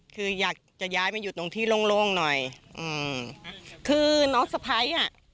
คืออยากจะย้ายมาอยู่ตรงที่โล่งโล่งหน่อยอืมคือน้องสะพ้ายอ่ะ